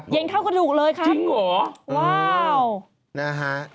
เย็นเข้ากระดูกเลยครับจริงเหรอว้าว